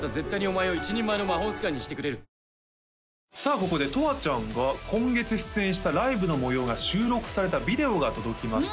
ここでとわちゃんが今月出演したライブの模様が収録されたビデオが届きました